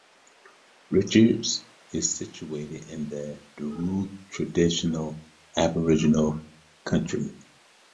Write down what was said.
Richards is situated in the Darug traditional Aboriginal country.